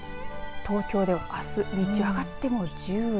東京では、あす日中でも上がっても１０度。